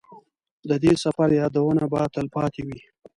د دې سفر یادونه به تلپاتې وي.